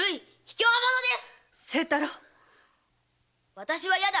私は嫌だ。